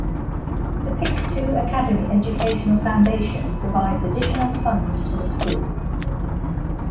The Pictou Academy Educational Foundation provides additional funds to the school.